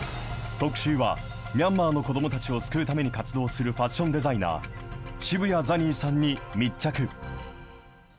特集は、ミャンマーの子どもたちを救うために活動するファッションデザイナー、渋谷ザニーさんに密着。